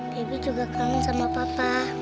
kib juga kangen sama papa